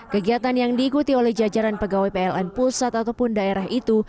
kegiatan yang diikuti oleh jajaran pegawai pln pusat ataupun daerah itu